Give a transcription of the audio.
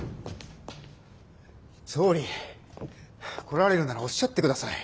来られるならおっしゃってください。